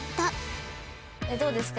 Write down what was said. どうですか？